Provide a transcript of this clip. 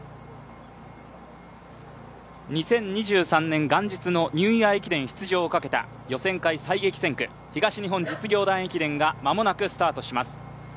２０２３年元日のニューイヤー駅伝出場をかけた予選会最激戦区、東日本実業団駅伝が間もなくスタートします。